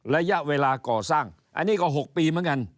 ระยะเวลาก่อสร้างอันนี้ก็๖ปีเหมือนกัน